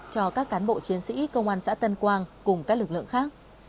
cho các cán bộ chiến sĩ công an xã tân quang cùng các lực lượng khác